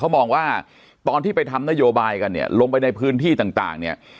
เขามองว่าตอนที่ไปทำนโยบายกันเนี่ยลงไปในพื้นที่ต่างเนี่ย